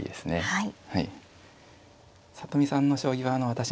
はい。